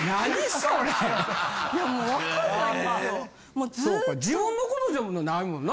そうか自分のことでもないもんな。